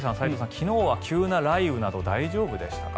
昨日は急な雷雨など大丈夫でしたか？